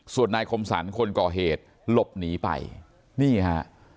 ส่วนนายคมสรรคนก่อเหตุหลบหนีไปนี่ฮะ